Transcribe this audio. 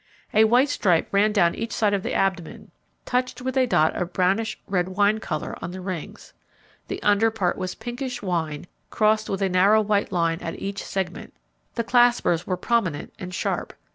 A white stripe ran down each side of the abdomen, touched with a dot of brownish red wine colour on the rings. The under part was pinkish wine crossed with a narrow white line at each segment. The claspers were prominent and sharp.